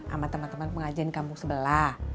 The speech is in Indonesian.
sama teman teman pengajian kampung sebelah